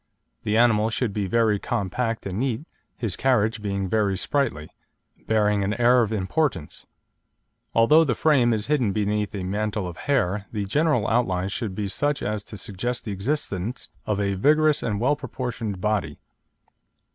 The animal should be very compact and neat, his carriage being very sprightly; bearing an air of importance. Although the frame is hidden beneath a mantle of hair, the general outline should be such as to suggest the existence of a vigorous and well proportioned body.